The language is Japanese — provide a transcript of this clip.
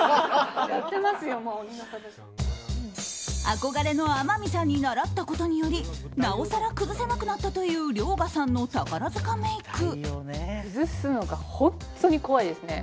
憧れの天海さんに習ったことによりなおさら崩せなくなったという遼河さんの宝塚メイク。